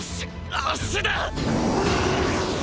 足だ！！